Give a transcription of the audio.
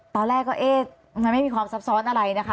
ตอนแรกก็เอ๊ะมันไม่มีความซับซ้อนอะไรนะคะ